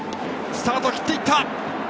スタートを切っていった。